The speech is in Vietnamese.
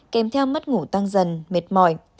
kèm theo mất ngủ tăng dần mệt mỏi